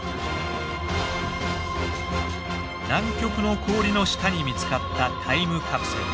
南極の氷の下に見つかったタイムカプセル。